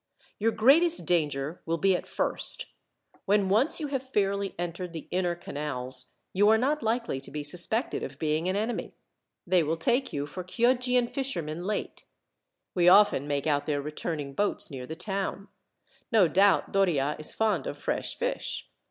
"Your greatest danger will be at first. When once you have fairly entered the inner canals, you are not likely to be suspected of being an enemy. They will take you for Chioggian fishermen late. We often make out their returning boats near the town. No doubt Doria is fond of fresh fish.